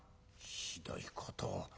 「ひどいことを。